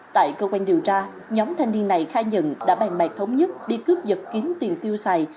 tại cơ quan điều tra nhóm thanh niên này khai nhận đã bàn bạc thống nhất đi cướp dật kiến tiền tiêu xài